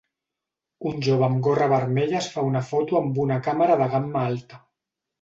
Un jove amb gorra vermella es fa una foto amb una càmera de gamma alta.